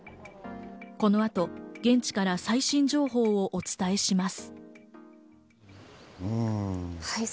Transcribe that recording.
この後、現地から最新情報をお伝えします。